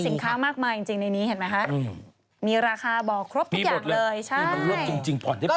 สินค้ามากมายจริงในนี้เห็นไหมคะมีราคาบอกครบทุกอย่างเลยใช่มันรวดจริงผ่อนได้ไปทัน